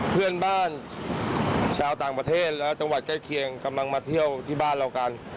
เพื่อนบ้านชาวต่างประเทศและจังหวัดใกล้เคียงกำลังมาเที่ยวที่บ้านเรากัน